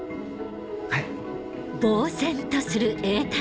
はい。